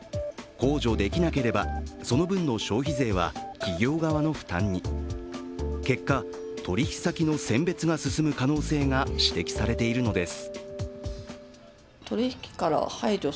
控除できなければその分の消費税は、企業側の負担に結果、取引先の選別が進む可能性が指摘されているのです。